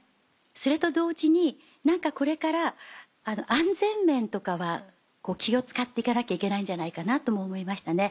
それと同時に何かこれから安全面とかは気を使って行かなきゃいけないとも思いましたね。